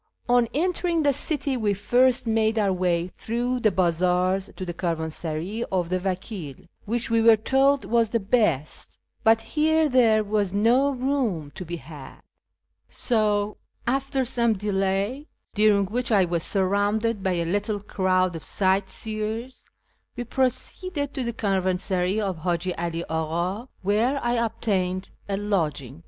On entering the city we first made our way through the bazaars to the caravansaray of the Vakil, which we were told was the best ; but here there was no room to be had, so, after some delay, during which I was surrounded by a little crowd of sight seers, we proceeded to the caravansaray of Haji 'All Aka, where I obtained a lodging.